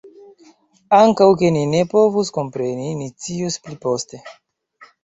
Ankaŭ ke ni ne povus kompreni; ni scios pli poste.